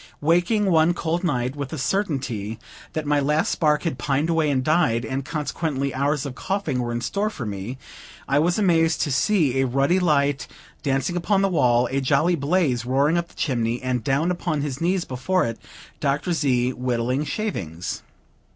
Waking, one cold night, with the certainty that my last spark had pined away and died, and consequently hours of coughing were in store for me, I was amazed to see a ruddy light dancing on the wall, a jolly blaze roaring up the chimney, and, down upon his knees before it, Dr. Z., whittling shavings.